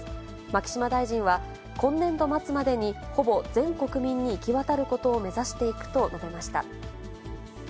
牧島大臣は、今年度末までに、ほぼ全国民に行き渡ることを目指していくと述べました。